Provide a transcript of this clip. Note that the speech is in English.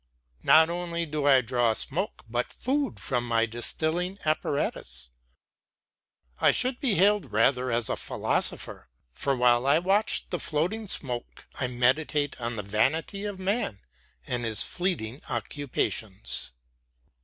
Not only do I draw smoke but food from my distilling apparatus. I should be hailed rather as a philosopher, for while I watch the floating smoke I meditate on the vanity of man and his fleeting occupations.